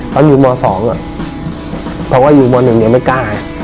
ตอนอยู่มอสองอ่ะเพราะว่าอยู่มอสหนึ่งยังไม่กล้า